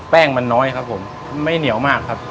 แป้งมันน้อยครับผมไม่เหนียวมากครับ